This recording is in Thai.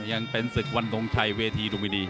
ยังเป็นศึกวันทรงชัยเวทีรุมินี